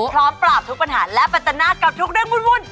พร้อมปราบทุกปัญหาและปัจจนากับทุกเรื่องวุ่น